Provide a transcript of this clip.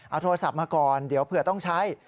เอาโทรศัพท์มาก่อนเดี๋ยวเผื่อต้องใช้